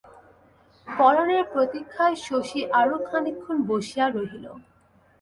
পরানের প্রতীক্ষায় শশী আরও খানিকক্ষণ বসিয়া রহিল।